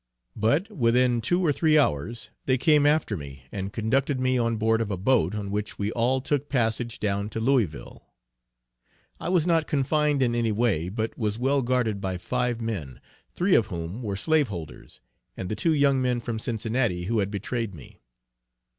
But within two or three hours, they came after me, and conducted me on board of a boat, on which we all took passage down to Louisville. I was not confined in any way, but was well guarded by five men, three of whom were slaveholders, and the two young men from Cincinnati, who had betrayed me.